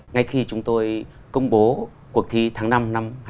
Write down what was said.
ngay khi chúng tôi công bố cuộc thi tháng năm năm hai nghìn một mươi sáu